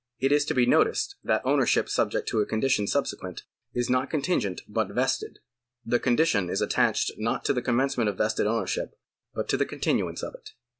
It is to be noticed that ownership subject to a condition subsequent is not contingent but vested. The condition is attached not to the commencement of vested ownership, but to the continuance of it.